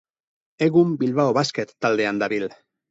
Egun Bilbao Basket taldean dabil.